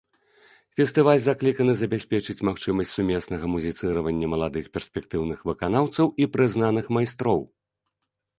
Фестываль закліканы забяспечыць магчымасць сумеснага музіцыравання маладых перспектыўных выканаўцаў і прызнаных майстроў.